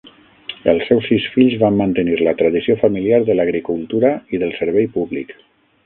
Els seus sis fills van mantenir la tradició familiar de l'agricultura i del servei públic.